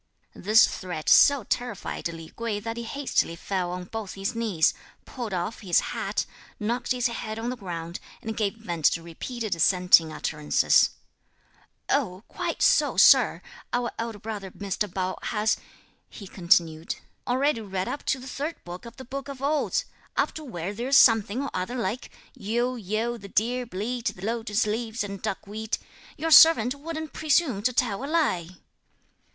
This threat so terrified Li Kuei that he hastily fell on both his knees, pulled off his hat, knocked his head on the ground, and gave vent to repeated assenting utterances: "Oh, quite so, Sir! Our elder brother Mr. Pao has," he continued, "already read up to the third book of the Book of Odes, up to where there's something or other like: 'Yiu, Yiu, the deer bleat; the lotus leaves and duckweed.' Your servant wouldn't presume to tell a lie!"